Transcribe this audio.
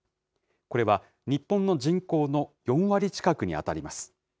これは日本の人口の４割近くに当たります。